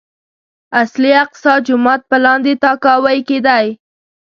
اصلي اقصی جومات په لاندې تاكاوۍ کې دی.